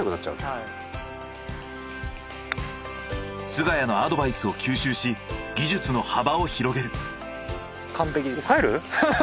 菅谷のアドバイスを吸収し技術の幅を広げる。